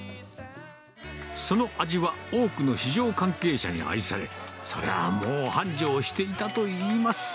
その味は、多くの市場関係者に愛され、そりゃもう繁盛していたといいます。